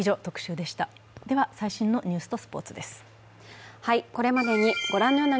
では、最新のニュースとスポーツです。